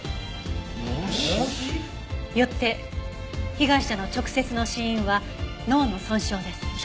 よって被害者の直接の死因は脳の損傷です。